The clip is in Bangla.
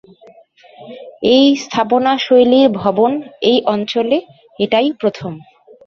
এই স্থাপনা শৈলীর ভবন এই অঞ্চলে এটাই প্রথম।